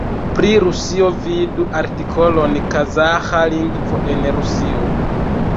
Pri Rusio vidu artikolon Kazaĥa lingvo en Rusio.